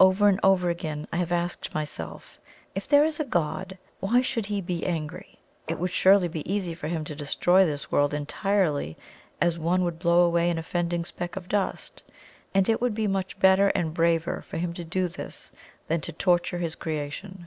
Over and over again I have asked myself If there is a God, why should He be angry? It would surely be easy for Him to destroy this world entirely as one would blow away an offending speck of dust, and it would be much better and BRAVER for Him to do this than to torture His creation.